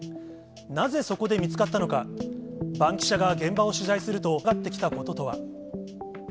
なぜそこで見つかったのか、バンキシャが現場を取材すると、再び浮かび上がってきたこととは。